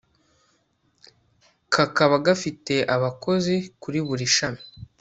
kakaba gafite abakozi kuri buri shami